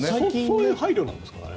そういう配慮なんですか？